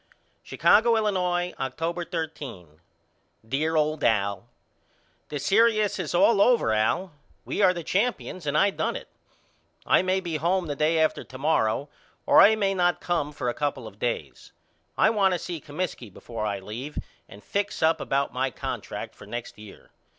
Chicago, Illinois, October 13. DEAR OLD AL: The serious is all over Al. We are the champions and I done it. I may be home the day after to morrow or I may not come for a couple of days. I want to see Comiskey before I leave and fix up about my contract for next year.